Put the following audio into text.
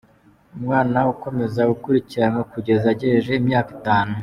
Umwana akomeza gukurikiranwa kugeza agejeje imyaka itanu.